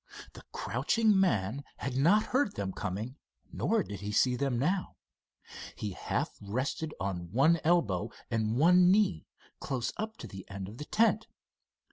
The crouching man had not heard them coming nor did he see them now. He half rested on one elbow and one knee, close up to the end of the tent.